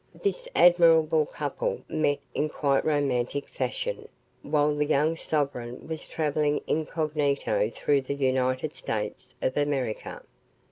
This admirable couple met in quite romantic fashion while the young sovereign was traveling incognito through the United States of America.